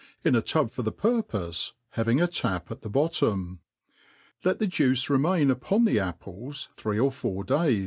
In a tub for the purpofcy having a tap at the bottom ;Jet the juice remain upon the apples three or four day.